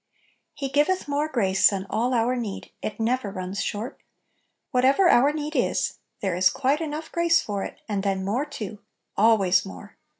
" He giveth more grace " than all our need. It never runs short Whatever our need is, there is quite enough grace for it, and then "more" too! alwayx more.